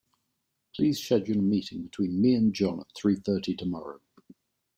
Please schedule a meeting between me and John at three thirty tomorrow.